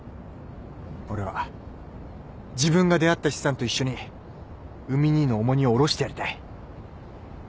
俺は自分が出会った資産と一緒に海兄の重荷を下ろしてやりたい。